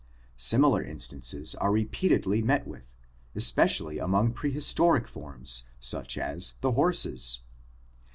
Similar instances are re peatedly met with, especially among prehistoric forms such as the horses.